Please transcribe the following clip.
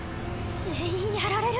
全員やられる。